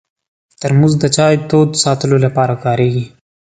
ترموز د چای تود ساتلو لپاره کارېږي.